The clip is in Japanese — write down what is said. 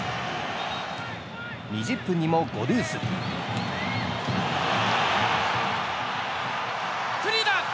２０分にもゴドゥース。